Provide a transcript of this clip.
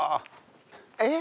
えっ！？